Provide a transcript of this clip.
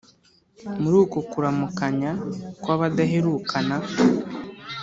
muri uko kuramukanya kw’abadaherukana,